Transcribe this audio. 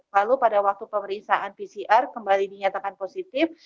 lalu pada waktu pemeriksaan pcr kembali dinyatakan positif